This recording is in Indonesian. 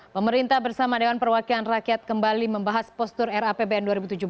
pemerintah bersama dewan perwakilan rakyat kembali membahas postur rapbn dua ribu tujuh belas